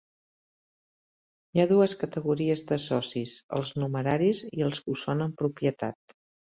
Hi ha dues categories de socis: els numeraris i els que ho són en propietat.